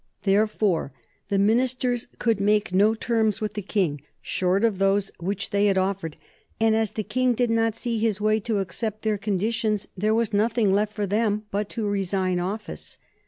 Therefore the ministers could make no terms with the King short of those which they had offered, and as the King did not see his way to accept their conditions there was nothing left for them but to resign office.